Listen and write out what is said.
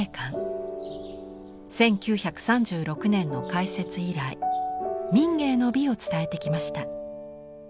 １９３６年の開設以来民藝の美を伝えてきました。